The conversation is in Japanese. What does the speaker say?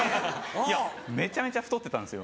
いやめちゃめちゃ太ってたんですよ。